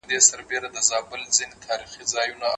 خوب ته جدي پام وکړئ.